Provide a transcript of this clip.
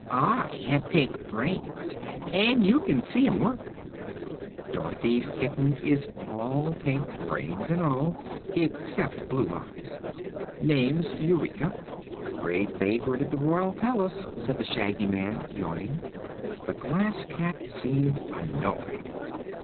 I have pink brains, and you can see 'em work." "Dorothy's kitten is all pink brains and all except blue eyes. Name's Eureka. Great favorite at the royal palace," said the Shaggy Man, yawning. The Glass Cat seemed annoyed.